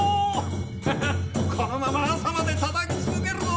ははっこのまま朝までたたき続けるぞ！